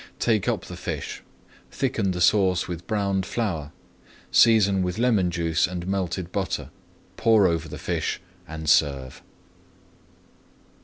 Take up the fish, thicken the sauce with browned flour, season with lemon juice and melted butter, pour over the fish, and serve.